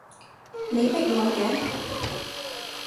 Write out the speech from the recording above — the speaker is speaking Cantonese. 你逼我嘅